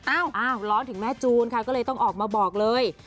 อ้าวร้อนถึงแม่จูนค่ะก็เลยต้องออกมาบอกเลย